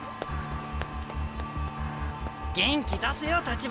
元気出せよ橘！